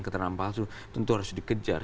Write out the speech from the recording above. keterangan palsu tentu harus dikejar